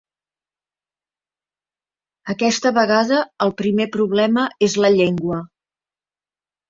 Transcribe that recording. Aquesta vegada el primer problema és la llengua.